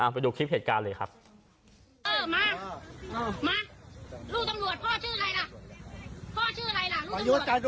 ไปดูคลิปเหตุการณ์เลยครับเออมามาลูกตำลวดพ่อชื่ออะไรล่ะ